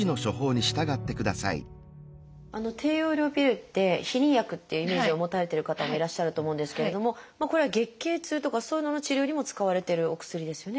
低用量ピルって避妊薬っていうイメージを持たれてる方もいらっしゃると思うんですけれどもこれは月経痛とかそういうのの治療にも使われているお薬ですよね。